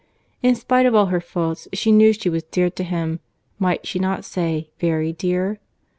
In spite of all her faults, she knew she was dear to him; might she not say, very dear?